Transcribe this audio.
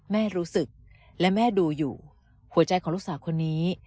แม่รู้สึกและแม่ดูอยู่หัวใจของลูกสาวคนนี้